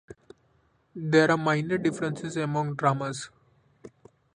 There are minor differences among dramas.